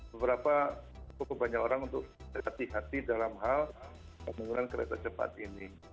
beberapa cukup banyak orang untuk berhati hati dalam hal penggunaan kereta cepat ini